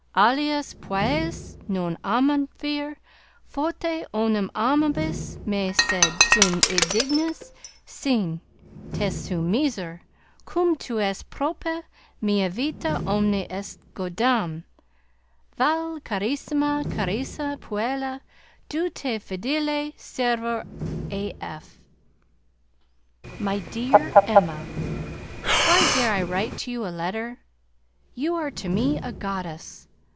Alias puellas non amavi. Forte olim amabis me, sed sum indignus. Sine te sum miser, cum tu es prope mea vita omni est goddamn. Vale, carissima, carissima puella! De tuo fideli servo A.F. My dear Emma: Why dare I write to you a letter? You are to me a goddess!